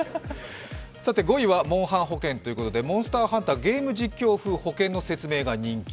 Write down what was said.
５位はモンハン保険ということで、モンハンのゲーム実況風保険の説明が人気。